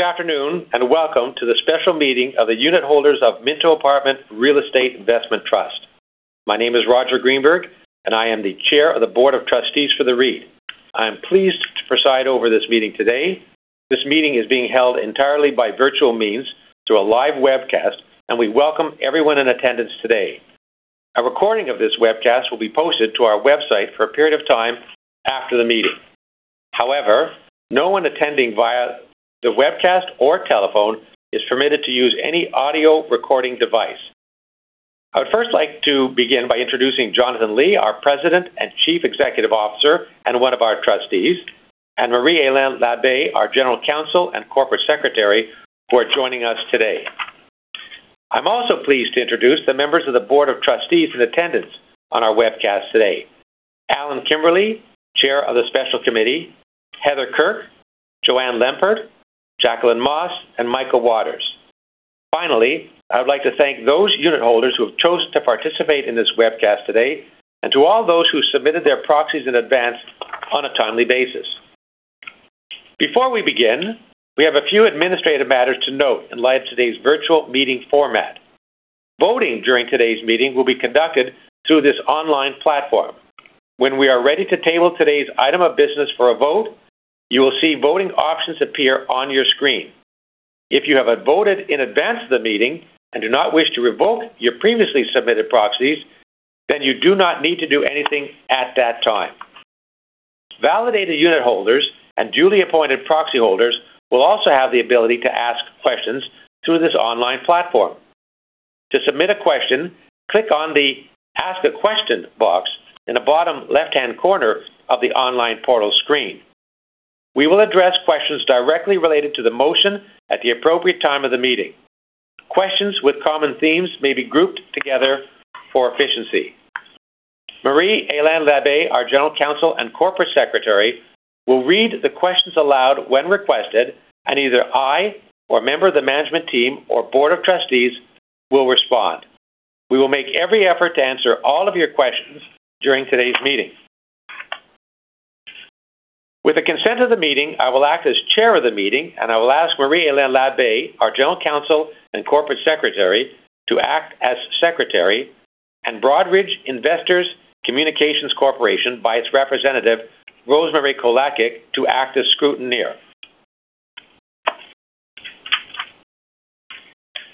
Good afteroon, welcome to the special meeting of the unitholders of Minto Apartment Real Estate Investment Trust. My name is Roger Greenberg, I am the Chair of the Board of Trustees for the REIT. I am pleased to preside over this meeting today. This meeting is being held entirely by virtual means through a live webcast, we welcome everyone in attendance today. A recording of this webcast will be posted to our website for a period of time after the meeting. However, no one attending via the webcast or telephone is permitted to use any audio recording device. I would first like to begin by introducing Jonathan Li, our President and Chief Executive Officer and one of our trustees, and Marie-Hélène Labbé, our General Counsel and Corporate Secretary, who are joining us today. I'm also pleased to introduce the members of the board of trustees in attendance on our webcast today. Allan Kimberley, Chair of the Special Committee, Heather Kirk, Jo-Anne Lempert, Jacqueline Moss, and Michael Waters. Finally, I would like to thank those unitholders who have chose to participate in this webcast today and to all those who submitted their proxies in advance on a timely basis. Before we begin, we have a few administrative matters to note in light of today's virtual meeting format. Voting during today's meeting will be conducted through this online platform. When we are ready to table today's item of business for a vote, you will see voting options appear on your screen. If you have voted in advance of the meeting and do not wish to revoke your previously submitted proxies, then you do not need to do anything at that time. Validated unitholders and duly appointed proxy holders will also have the ability to ask questions through this online platform. To submit a question, click on the Ask A Question box in the bottom left-hand corner of the online portal screen. We will address questions directly related to the motion at the appropriate time of the meeting. Questions with common themes may be grouped together for efficiency. Marie-Hélène Labbé, our General Counsel and Corporate Secretary, will read the questions aloud when requested, and either I or a member of the management team or board of trustees will respond. We will make every effort to answer all of your questions during today's meeting. With the consent of the meeting, I will act as chair of the meeting, and I will ask Marie-Hélène Labbé, our general counsel and corporate secretary, to act as secretary and Broadridge Investor Communications Corporation by its representative, Rosemary Kolacic, to act as scrutineer.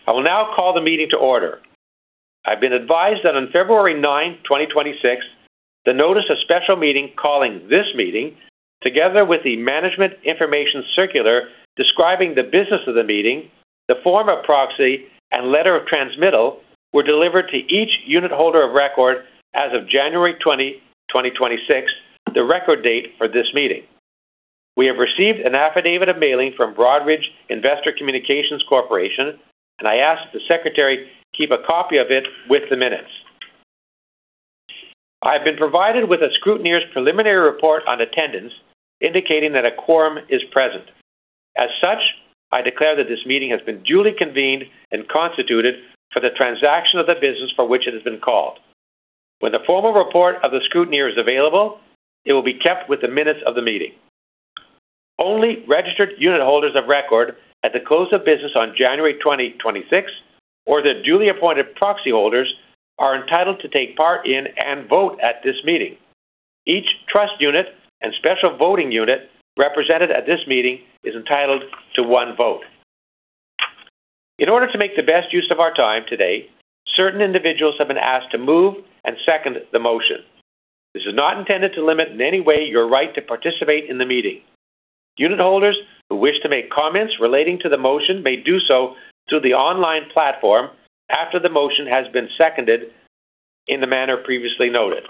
I will now call the meeting to order. I've been advised that on February 9th, 2026, the notice of special meeting calling this meeting, together with the management information circular describing the business of the meeting, the form of proxy and letter of transmittal were delivered to each unitholder of record as of January 20, 2026, the record date for this meeting. We have received an affidavit of mailing from Broadridge Investor Communications Corporation, and I ask the secretary to keep a copy of it with the minutes. I have been provided with a scrutineer's preliminary report on attendance indicating that a quorum is present. As such, I declare that this meeting has been duly convened and constituted for the transaction of the business for which it has been called. When the formal report of the scrutineer is available, it will be kept with the minutes of the meeting. Only registered unitholders of record at the close of business on January 20, 2026 or their duly appointed proxy holders are entitled to take part in and vote at this meeting. Each trust unit and special voting unit represented at this meeting is entitled to one vote. In order to make the best use of our time today, certain individuals have been asked to move and second the motion. This is not intended to limit in any way your right to participate in the meeting. Unitholders who wish to make comments relating to the motion may do so through the online platform after the motion has been seconded in the manner previously noted.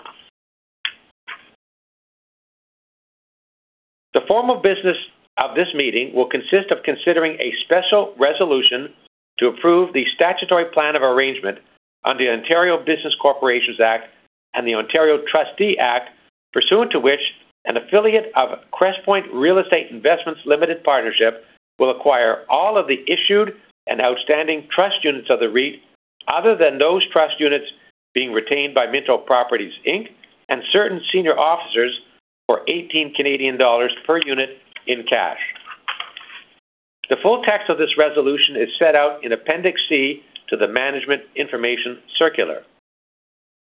The formal business of this meeting will consist of considering a special resolution to approve the statutory plan of arrangement under the Ontario Business Corporations Act and the Ontario Trustee Act, pursuant to which an affiliate of Crestpoint Real Estate Investments Limited Partnership will acquire all of the issued and outstanding trust units of the REIT other than those trust units being retained by Minto Properties Inc. and certain senior officers for 18 Canadian dollars per unit in cash. The full text of this resolution is set out in Appendix C to the management information circular.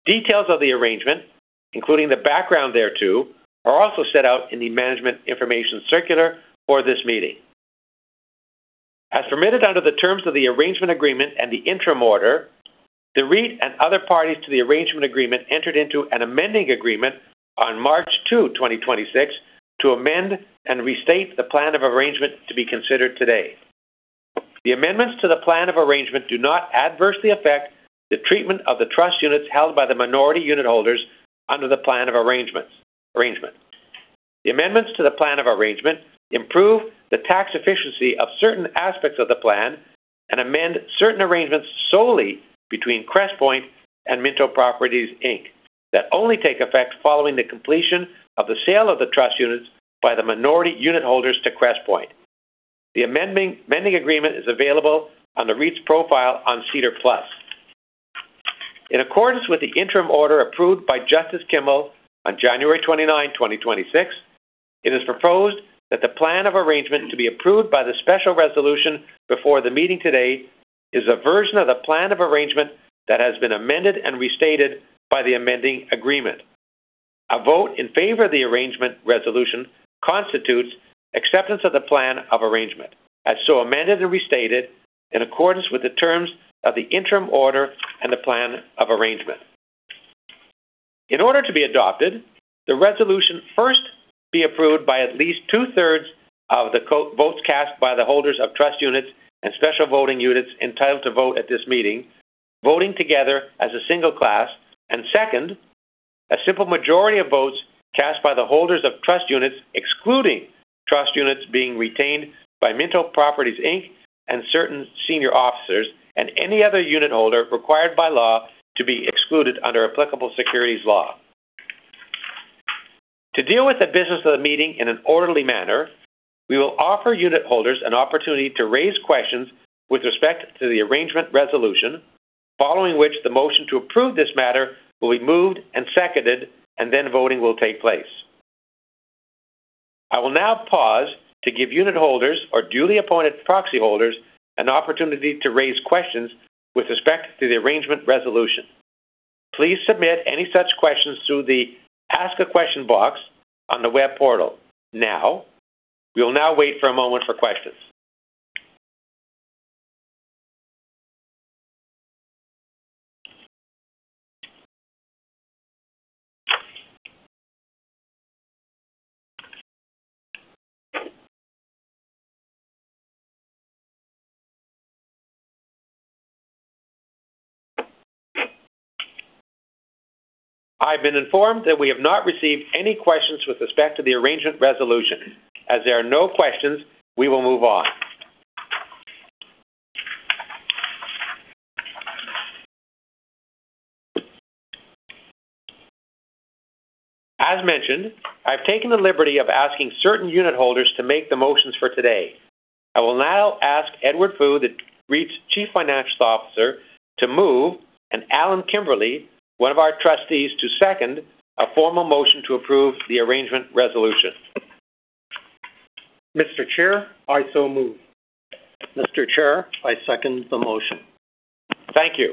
Details of the arrangement, including the background thereto, are also set out in the management information circular for this meeting. As permitted under the terms of the arrangement agreement and the interim order, the REIT and other parties to the arrangement agreement entered into an amending agreement on March 2, 2026 to amend and restate the plan of arrangement to be considered today. The amendments to the plan of arrangement do not adversely affect the treatment of the trust units held by the minority unitholders under the plan of arrangement. The amendments to the plan of arrangement improve the tax efficiency of certain aspects of the plan and amend certain arrangements solely between Crestpoint and Minto Properties Inc. that only take effect following the completion of the sale of the trust units by the minority unitholders to Crestpoint. The amending agreement is available on the REIT's profile on SEDAR+. In accordance with the interim order approved by Justice Kimmel on January 29, 2026, it is proposed that the plan of arrangement to be approved by the special resolution before the meeting today is a version of the plan of arrangement that has been amended and restated by the amending agreement. A vote in favor of the arrangement resolution constitutes acceptance of the plan of arrangement as so amended and restated in accordance with the terms of the interim order and the plan of arrangement. In order to be adopted, the resolution first be approved by at least two-thirds of the votes cast by the holders of trust units and special voting units entitled to vote at this meeting, voting together as a single class, and second, a simple majority of votes cast by the holders of trust units, excluding trust units being retained by Minto Properties Inc. Certain senior officers and any other unit holder required by law to be excluded under applicable securities law. To deal with the business of the meeting in an orderly manner, we will offer unit holders an opportunity to raise questions with respect to the arrangement resolution, following which the motion to approve this matter will be moved and seconded, and then voting will take place. I will now pause to give unit holders or duly appointed proxy holders an opportunity to raise questions with respect to the arrangement resolution. Please submit any such questions through the Ask a Question box on the web portal now. We will now wait for a moment for questions. I've been informed that we have not received any questions with respect to the arrangement resolution. As there are no questions, we will move on. As mentioned, I've taken the liberty of asking certain unit holders to make the motions for today. I will now ask Edward Fu, the REIT's Chief Financial Officer, to move, and Allan Kimberley, one of our trustees, to second a formal motion to approve the arrangement resolution. Mr. Chair, I so move. Mr. Chair, I second the motion. Thank you.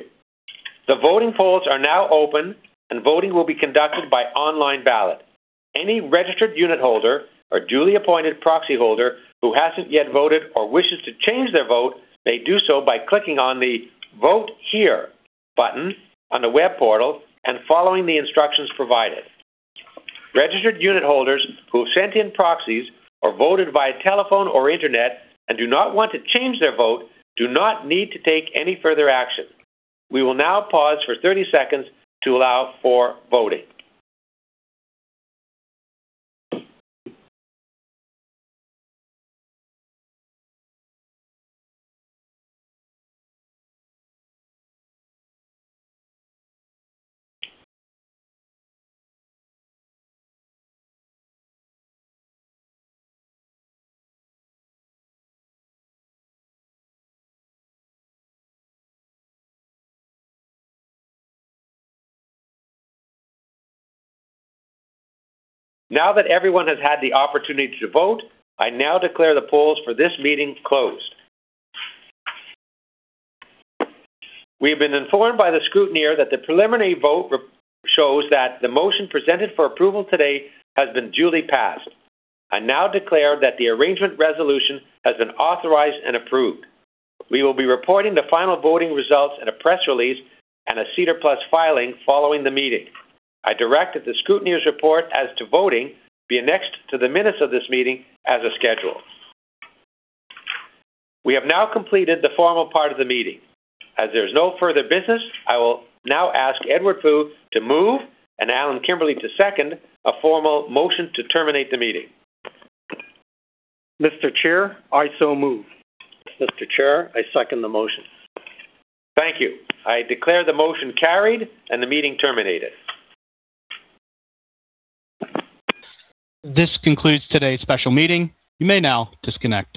The voting polls are now open and voting will be conducted by online ballot. Any registered unit holder or duly appointed proxy holder who hasn't yet voted or wishes to change their vote may do so by clicking on the Vote Here button on the web portal and following the instructions provided. Registered unit holders who have sent in proxies or voted via telephone or internet and do not want to change their vote do not need to take any further action. We will now pause for 30 seconds to allow for voting. Now that everyone has had the opportunity to vote, I now declare the polls for this meeting closed. We have been informed by the scrutineer that the preliminary vote shows that the motion presented for approval today has been duly passed. I now declare that the arrangement resolution has been authorized and approved. We will be reporting the final voting results in a press release and a SEDAR+ filing following the meeting. I direct that the scrutineer's report as to voting be annexed to the minutes of this meeting as a schedule. We have now completed the formal part of the meeting. There's no further business, I will now ask Edward Fu to move, and Allan Kimberley to second a formal motion to terminate the meeting. Mr. Chair, I so move. Mr. Chair, I second the motion. Thank you. I declare the motion carried and the meeting terminated. This concludes today's special meeting. You may now disconnect.